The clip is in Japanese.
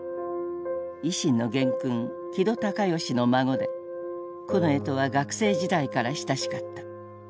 維新の元勲木戸孝允の孫で近衛とは学生時代から親しかった。